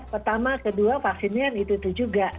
pertama kedua vaksinnya itu itu juga